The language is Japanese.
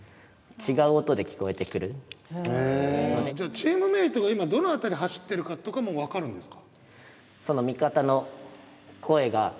チームメートが今どの辺り走ってるかとかも分かるんですか？